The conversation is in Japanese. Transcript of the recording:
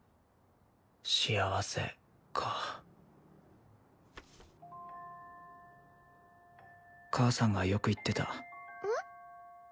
幸せか母さんがよく言ってたえっ？